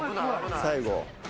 最後。